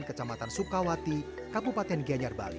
kecamatan sukawati kabupaten gianyar bali